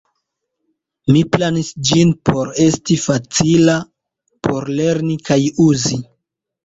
Mi planis ĝin por esti facila por lerni kaj uzi.